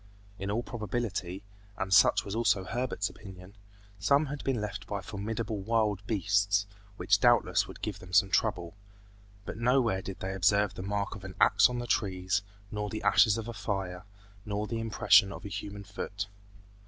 In all probability, and such was also Herbert's opinion, some had been left by formidable wild beasts which doubtless would give them some trouble; but nowhere did they observe the mark of an axe on the trees, nor the ashes of a fire, nor the impression of a human foot.